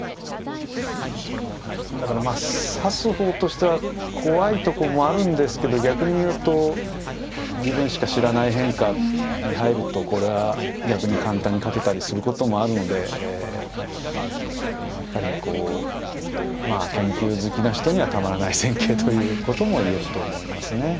だからまあ指す方としては怖いとこもあるんですけど逆に言うと自分しか知らない変化に入るとこれは逆に簡単に勝てたりすることもあるのでやっぱりこうまあ研究好きな人にはたまらない戦型ということも言えると思いますね。